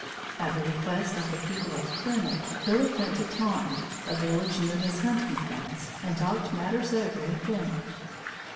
At the request of the people of Plymouth, Philip went to Taunton, a village near his hunting grounds, and talked matters over with them.